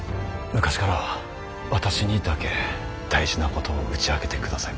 昔から私にだけ大事なことを打ち明けてくださいます。